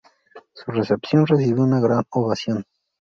Su recepción recibió una gran ovación.